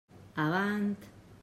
Avant!